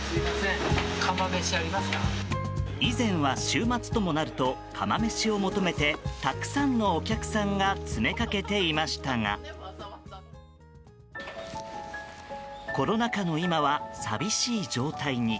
以前は週末ともなると釜めしを求めてたくさんのお客さんが詰めかけていましたがコロナ禍の今は寂しい状態に。